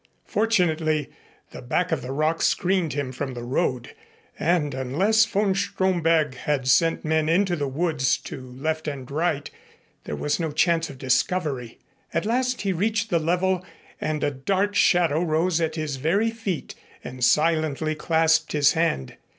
Fortunately the back of the rock screened him from the road, and unless von Stromberg had sent men into the woods to left and right, there was no chance of discovery. At last he reached the level and a dark shadow rose at his very feet and silently clasped his hand.